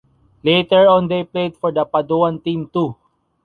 Later on they played for the Paduan team too.